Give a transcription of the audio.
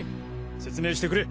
説明してくれ。